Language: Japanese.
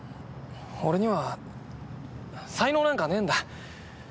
俺には才能なんかねえんだ。